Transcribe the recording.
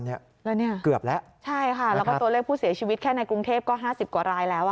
แล้วเนี่ยเกือบแล้วใช่ค่ะแล้วก็ตัวเลขผู้เสียชีวิตแค่ในกรุงเทพก็๕๐กว่ารายแล้ว